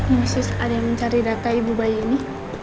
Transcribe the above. masih ada yang mencari data ibu bayi ini